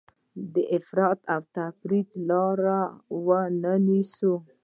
د افراط او تفریط لاره ونه نیسو.